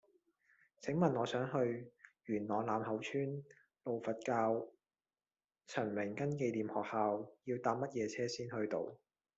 請問我想去元朗欖口村路佛教陳榮根紀念學校要搭乜嘢車先去到